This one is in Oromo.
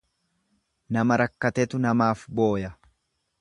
Nama rakkatetu namaaf booya.